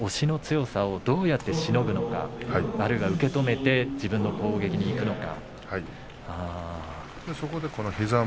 竜皇の押しの強さをどうやってしのぐのかあるいは受け止めて自分の攻撃にいくのか。